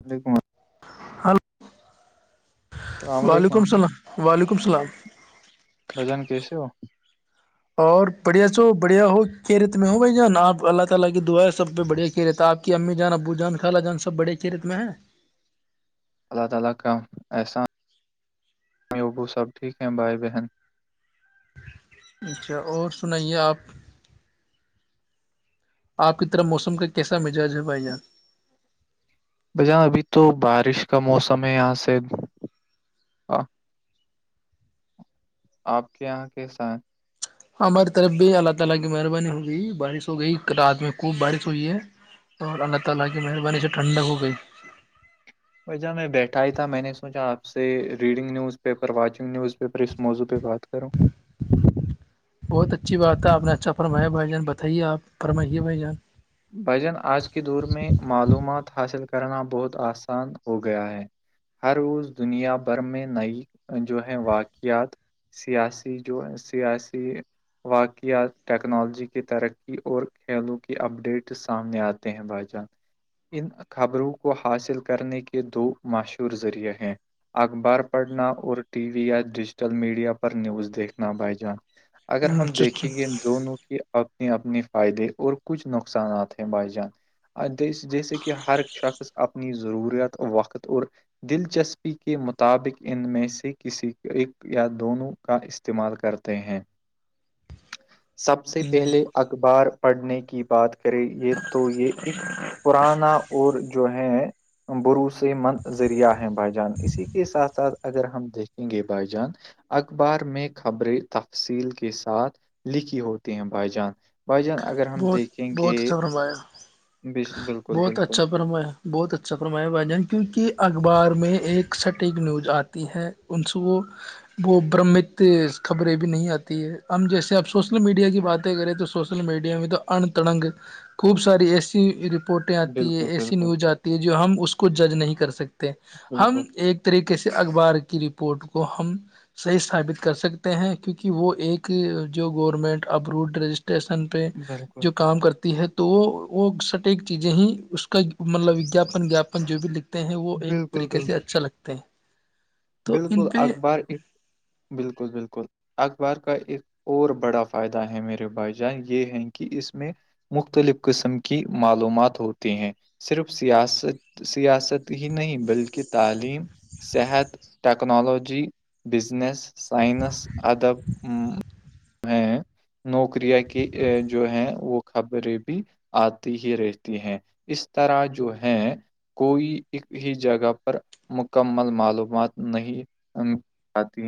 وعلیکم اللہ ہلو السلام علیکم وعلیکم السلام وعلیکم السلام بجن کیسے ہو اور بھیا سو بڑھیا ہو کی ریت میں ہو بھای جان آپ اللہ تعالی کی دعا سب پہ بھیا کی ریت ہے آپ کہ امی جان ابو جان خالا جان سب بڑے کھیرت میں ہیں اللہ تعالی کا احسان ابو سب ھیک ہیں بھای بہن اچھا اور سنائیے آپ آپ کی طرف موسم کا کیسا مزاج ہے بھائی اں بجان ابھی تو بارش کا موسم ہے یہاں سے آ- آپ کے یہاں کے ساتھ ہماری طرف بھی اللہ تعالی کی مہربانی ہوگئی بارش ہو گئی رات میں خوب بارش ہوئی ہے اور اللہ تعالی کی مہربای سے ھنک ہو گی وجہ میں بیٹھا ہی تھا میں نے سوچا آپ سے reading newspaper watching newspaper اس موضوع پہ بات کروں بہت اچھی بات ہے آپ نے اچھا فرمایا بھائی جان بتائیے آپ فمائیے بھائی جان بھجن آج کے دور میں معلومات حاصل کرنا بہت آسان ہو گیا ہے ہر روز دنیا بھر میں نئی جو ہیں واقعات سیاسی جو ہے سیاسی واقعات ٹیکنالوجی کی ترقی اور کھیلوں کی اپڈیٹ سامنے آتے ہیں بھائی جان ان خبروں کو حاصل کرنے کے دو مشہور ذریعے ہیں اخبار پڑھنا اور ٹی وی یا ڈیجیٹل میڈیا پر نیوز دیکھنا بھائی جان اگر ہم اچھا اچھا دیکھیں گے دونوں کے اپنے اپنے فائدے اور کچھ نوکری نقصانات ہیں بائی جان جیسے کہ ہر شخص اپنی ضروریات وقت اور دلچسپی کے مطابق ان میں سے کسی ایک یا دونوں کا استعمال کرتے ہیں سب سے پہلے اخبار پڑھنے کی بات کرے یہ تو یہ ایک پرانا اور جو ہے بروسے مند ذریعہ ہے بائی جان اسی کے ساتھ ساتھ اگر ہم دیکھیں گے بائی جان اخبار میں خبریں تفصیل کے ساتھ لکھی ہوتی ہیں بھائی جان باجان اگر ہم بہت دیکھے بہت اچھا فرمایا بالکل بہت بالکل اچھا فرما بہت اچھا فرمایا بھائی جان کیونکہ اخبار میں ایک سٹیک نیوز آتی ہے ان سوں وہ برم مت خبریں بھی نہیں آتی ہے ہم جیسے آپ سوشل میڈیا کی باتیں کریں تو سوشل میڈیا میں تو ان تڑنگ خوب ساری ایسی رپ پورٹیں آتی ہے بالکل ایسی بالکل نیوز آتی ہے جو ہم اس کو جج نہیں کر سکتے ہم بالکل ایک طریقے سے اخبار کی رپورٹ کو ہم صحیح ثابت کر سکتے ہیں کیونکہ وہ ایک جو گورنمنٹ ابروڈ رجسٹریشن پہ بالکل جو کام کرتی ہے تو وہ وہ سٹ ایک چیزیں ہی اس کا مطلب واپن جپن جو بھی لکھ ہیں وہ ایک بالکل طریقے بالکل سے اچھا لگتے ہیں تو بالکل ان پہ اخبار بالکل بالکل اخبار کا ایک اور بڑا فائدہ ہے میرے بھائی جان یہ ہیں کہ اس میں مختلف قسم کی معلومات ہوتی ہیں صرف سیاست سیاست ہی نہیں بلکہ تعلیم صحت ٹکنالوجی بزنس سائنس ادب نوکریاں کی جو ہے وہ خبریں بھی آتی ہی رہتی ہیں اس طرح جو ہے کوئی ا ہی جگہ پر مکمل معلومات نہیں آتی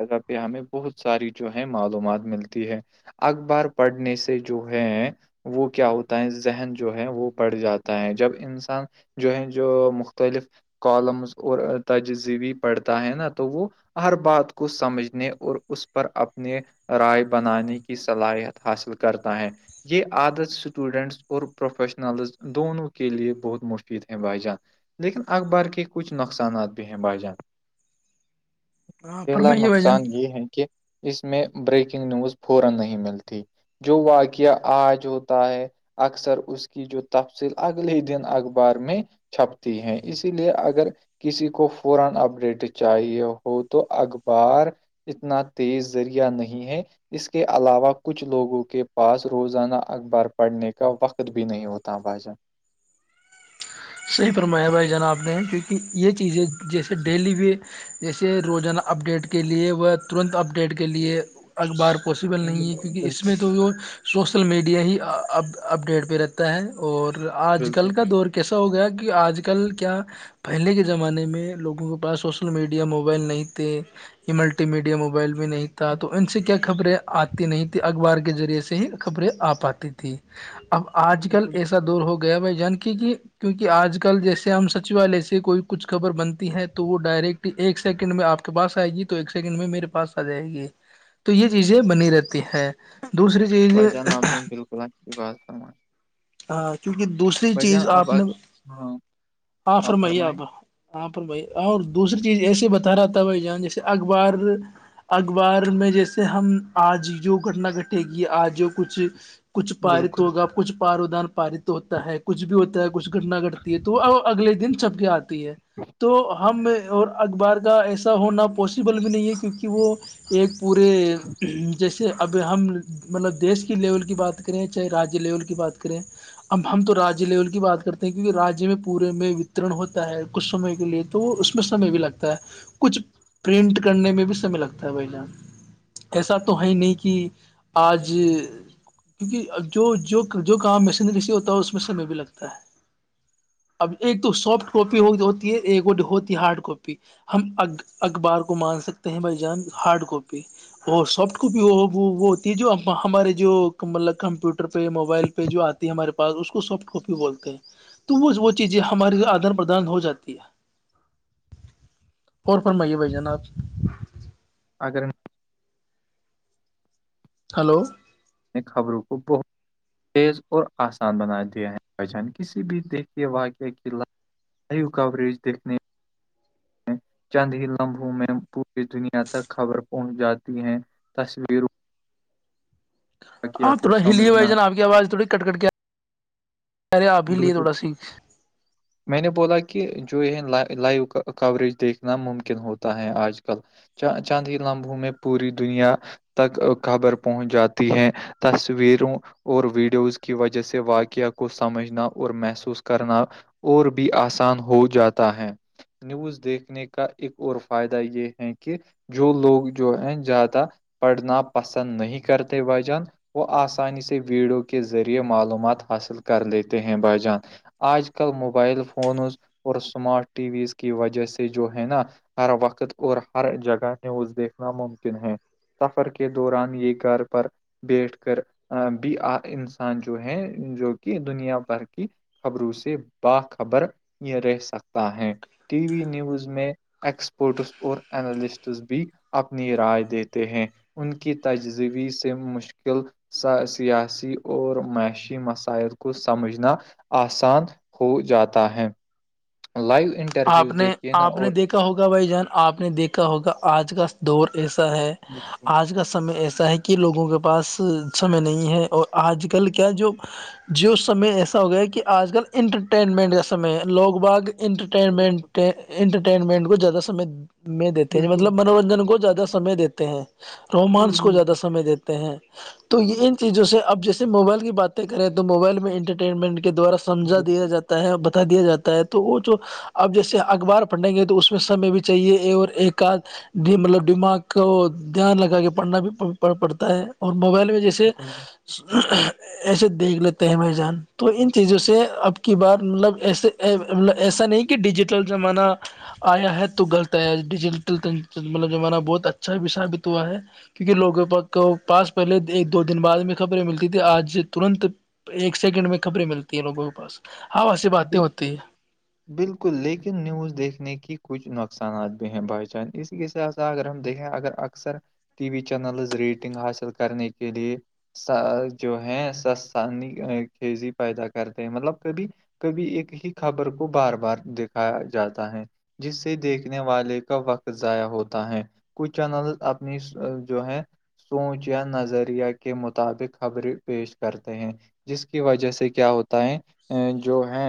جگہ پہ ہمیں بہت ساری جو ہے معلومات ملتی ہے اخبار پڑھنے سے جو ہے وہ کیا ہوتا ہے ذہن جو ہے وہ بڑھ جاتا ہے جب انسان جو ہے جو مختلف کالمز اور تجزبی پڑھتا ہے نا تو وہ ہر بات کو سمجھنے اور اس پر اپنے رائے بنانے کی صلاحیت حاصل کرتا ہے یہ عادت اسٹوڈنٹس اور پروفیشنلز دونوں کے لیے بہت مفید ہیں بھائی جان لیکن اخبار کے کچھ نقصانات بھی ہیں بھائی جان پہلا فرمائیے بھائی جان نقصان یہ ہے کہ اس میں بریکنگ نیوز فورا نہیں ملتی جو واقعہ آج ہوتا ہے [unintelligible] اکثر اس کی جو تفصیل اگلے ہی دن اخبار میں چھپتی ہے اسی لیے اگر کسی کو فورا اب اپ ڈیٹ چاہیے ہو تو اخبار اتنا تیز ذریعہ نہیں ہے اس کے علاوہ کچھ لوگوں کے پاس روزانہ اخبار پڑھنے کا وقت بھی نہیں ہوتا بھاش صیفرمابھائی جناب نے ہیں کیونکہ یہ چیزیں جیسے ڈیلی بھی جیسے روزانہ اپڈیٹ کے لیے وہ ترنت اپ ڈیٹ کے لیے اخبار پاسیبل نہیں ہے بالکل کیونکہ اس بالکل میں تو وہ سوسل میڈیا ہی اپڈیٹ پہ رہتا ہے اور آج بالکل کل کا بالکل دور کیسا ہو گیا کہ آج کل کیا پہلے کے زمانے میں لوگوں کے پاس سوشل میڈیا موبائل نہیں تھے یہ ملٹی میڈیا موبائل بھی نہیں تھا تو ان سے کیا خبریں آتی نہیں تیں اخبار کے ذریعے سے ہی خبریں آ پاتی تیں اب آج کل بالکل ایسا دور ہو گیا بھائی جانکی کہ کیونکہ آج کل جیسے ہم سچیوالیہ سے کوئی کچھ خبر بنتی ہے تو وہ ڈائریکٹ ایک سیکنڈ میں آپ کے پاس آئے گی تو ایک سیکنڈ میں میرے پاس آ جائے گی تو یہ چیزیں بنی رہتی ہے دوسری [unintelligible] ب جان آپ نے بالکل آچ کی بات فم ہاں کیونکہ دوسری چیز آپ نے ہاں ہاں فرمائی آپ یہاں پر بھائی اور دوسری چیز ایسے بتا رہا تھا بھائی جاں جیسے اخبار اخبار میں جیسے ہم آج جو گھٹنا گھٹے گی آج کچھ کچھ پارت بالکل ہوگا کچھ پارودان پارت ہوتا ہے کچھ بھی ہوتا ہے کچھ گھٹنا گٹتی ہے تو اگلے دن چھپ کے آتے ہے تو ہم اور اخبار کا ایسا ہونا پاسبل بھی نہیں ہے کیونکہ وہ ایک پورے جیسے اب ہم مطلب دیش کی لیول کی بات کریں چاہے رجیہ لیول کی بات کریں اب ہم تو رجیہ لیول کی بات کرتے ہیں کیونکہ رجیہ میں پورے میں وترن ہوتا ہے کچھ سمے کے لیے تو اس میں سمئے بھی لگتا ہے کچھ پرنٹ کرنے میں بھی سمے لگتا ہے بھائی جان ایسا تو ہے نہیں کہ آج کیونکہ جو جو جو کام مشینری سے ہوتا ہے اس میں سمے بھی لگتا ہے اب ایک تو سافٹ کاپی ہو ہوتی ہے ایک ہوتی ہارڈ کاپی ہم ا اخبار کو مان سکتے ہیں بھائی جان ہارڈ کاپی وہ سافٹ کاپی وہ وہ ہوتی ہے جو ہمارے جو مطلب کمپیوٹر پہ موبائل پ جو آتی ہے ہمارے پاس اس کو سافٹ کاپی بولتے ہیں تو وہ وہ چیزیں ہمارے لی آدان پرادان ہو جاتی ہے اور فرمائیے بھائی جان آج اگر ہلو نے خبروں کو بہت تیز اور آسان بنا دیا ہے بھائی جان کسی بھی دیکھیے کے واقعہ کی ل نیو کوریج دیکھنے میں چند ہی لمحوں میں پوری دنیا تک خبر پہنچ جاتی ہے تصویروں واقعہ آپ کو تھوڑا ہلیے بھائی سمجھنا جان آپ کی آواز تھوڑی کٹ کٹ کے کہہ رہے آپ ہیلیے بالکل تھوڑا سی [inaudible] میں نے بولا کہ جو یہ لائیو کوریج دیکھنا ممکن ہوتا ہے آج کل چانند ہی لمحوں میں پوری دنیا تک خبر پہنچ جاتی ہے تصویروں اور ویڈیوز کی وجہ سے واقعہ کو س سمجھنا اور محسوس کرنا اور بھی آسان ہو جاتا ہے نیوز دیکھنے کا ایک اور فائدہ یہ ہے کہ جو لوگ جو ہیں زیادہ پڑھنا پسند نہیں کرتے بھائی جان وہ آسانی سے ویڈیو کے ذریعے معلومات حاصل کر لیتے ہیں بھائی جان آج کل موبائل فونز اور اسمارٹ ٹی ویز کی وجہ سے جو ہے نا ہر وقت اور ہر جگہ نیوز دیکھنا ممکن ہے سفر کے دوران یہ گھر پر بیٹھ کر ا بھی اج انسان جو ہے جو کہ دنیا بھر کی خبروں سے باخبر یہ رہ سکتا ہے ٹی وی نیوز میں ایکسپرٹس اور اینالسٹس بھی اپنی رائے دیتے ہیں ان کی تجزوی سے مشکل سیاسی اور معاشی مسائل کو سمجھنا آسان ہو جاتا ہے لائیو انٹ آپ نے آپ نے دیکھا ہوگا بھائی جان آپ نے دیکھا ہوگا آج کا دور ایسا ہے بالکل آج کا سمی ایسا ہے کہ کہ لوگوں کے پاس سمے نہیں ہے اور آج کل کیا جو جو سمے ایسا ہو گیا کہ آج کل انٹرٹینمنٹ کا سمے ہے لوگ باگ انٹرٹ بالکل انٹرٹینمنٹ کو زیادہ سمے میں دیتے ہیں مطلب منورنجن کو زیادہ سمے دیتے ہیں رومانس کو بالکل زیادہ سمئے دیتے ہیں تو یہ ان چیزوں سے اب جیسے موبائل کی باتیں کریں تو موبائل میں انٹرٹینمنٹ کے دوارا سمجھا دیا جاتا ہے بتا دیا جاتا ہے تو وہ جو اب جیسے اخبار پڑھیں گے تو اس میں سمے بھی چاہیے اے اور ایک آدھ بھی مطلب دماغ کو دھیان لگا کے پڑھنا بھی پڑتا ہے اور موبائل میں جیسے بالکل تے اس ایسے دیکھ لیتے ہیں م جان تو ان چیزوں سے اب کی بات مطلب ایسے ایسا نہیں کہ ڈیجیٹل زمانہ آیا ہے تو غلط آیا ڈیجیٹل مطلب زمانہ بہت اچھا بھی ثابت ہوا ہے کیونکہ لوگوں پاس پہلے ایک دو دن بعد میں خبریں ملتی تیں آج ترنت ایک سیکنڈ میں خبریں ملتی ہیں لوگوں کے پاس ہاں ویسی باتیں ہوتی ہے بالکل لیکن نیوز دیکھنے کی کچھ نقصانات بھی ہیں بھائی چان اس س س اگر ہم دیکھیں اگر اکثر ٹی وی چینلز ریٹنگ حاصل کرنے کے لیے س جو ہے س خزی پیدا کرتے ہیں مطلب کبھی کبھی ایک ہی خبر کو بار بار دھایا جاتا ہے جس سے دیکھنے والے کا وقت ضائع ہوتا ہے کچھ چینل اپنی جو ہے سونچ یا نظریہ کے مطابق خبریں پیش کرتے ہیں جس کی وجہ سے کیا ہوتا ہے جو ہے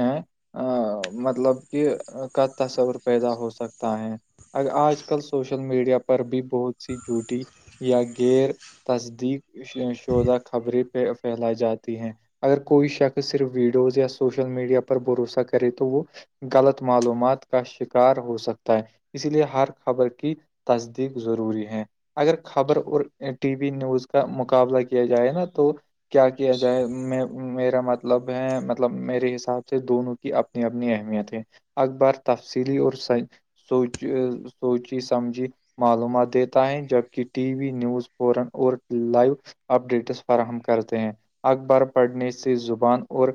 مطلب کہ کا تصور پیدا ہو سکتا ہے ا آج کل سوشل میڈیا پر بھی بہت سی جوٹی یا غیر تصدیق شودہ خبریں پھیلائی جاتی ہیں اگر کوئی شخص صرف ویڈیوز یا سوشل میڈیا پر بھروسہ کرے تو وہ غلط معلومات کا شکار ہو سکتا ہے اسی لیے ہر خبر کی تصدیق ضروری ہے اگر خبر اور ٹی وی نیوز کا مقابلہ کیا جائے نا تو کیا کیا جائے میں میرا مطلب ہے مطلب میرے حساب سے دونوں کی اپنی اپنی اہمیت ہے اکبر تفصیلی اور سوچ سوچی سمجھی معلومات دیتا ہے جبک ٹی وی نیوز فورن اور لائیو اپڈیٹس فراہم کرتے ہیں اخبار پڑھنے سے زبان اور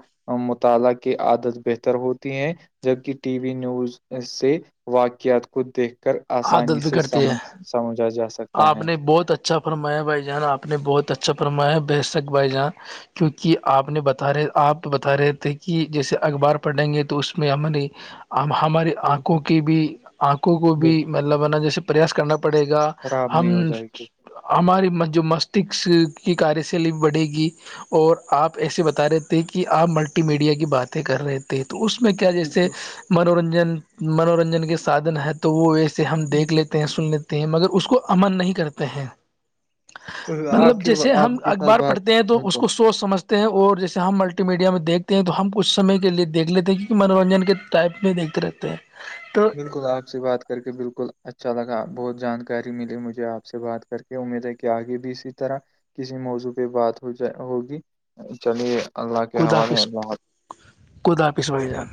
مطالعہ کی عادت بہتر ہوتی ہے جبکہ ٹی وی نیوز سے واقعات کو دیکھ کر آسانی عادت سے بگڑتی ہے سمجھ سمجھا جا سکتا آپ ہے نے بہت اچھا فرمایا بھائی جان آپ نے بہت اچھا فرمایا ہے بے شک بھائی جان کیونکہ آپ نے بتا رہے آپ بتا رہے تھے کہ جیسے اخبار پڑھیں گے تو اس میں ہممن اب ہماری بالکل آنکھوں کی بھی آنکھوں کو بالکل بھی مطلب ہے نا جیسے پریاس کرنا پڑے گا خراب ہم نہیں ہو جائے گی ہماری م جو مستشک کی کاریہ سےلی بڑھے گی اور آپ ایسے بتا رہے تھے کہ آپ ملٹی میڈیا کی باتیں کر رہے تھے ہیں تو اس میں کیا جیسے منورنجن منورنجن کے سادھن ہے تو وہ ویسے سے ہم دیکھ بالکل لیتے ہیں سن لیتے ہیں مگر اس کو امن نہیں کرتے ہیں آپ مطلب کے جیسے آپ ہم کے ساتھ اخبار بات پڑھتے ہیں تو اس بالکل کو س سوچ سمھتے ہیں اور جیسے ہم ملٹی میڈیا میں دیکھتے ہیں تو ہم کچھ سمے کے لیے دیکھ لیتے ہیں کیونکہ منورنجن کے ٹائپ میں دیکھ کے رکھتے ہیں [inaudible] تو بالکل آپ سے بات کر کے بالکل اچھا لگا بہت جانکاری ملی مجھے آپ سے بات کر کے امید ہے کہ آگے بھی اسی طرح کسی موضوع پہ بات ہو جائے ہوگی چلیے اللہ کے حوالے بہت خود آپس بگ جان